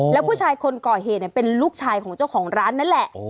แล้วผู้ชายคนก่อเหตุเป็นลูกชายของเจ้าของร้านนั่นแหละ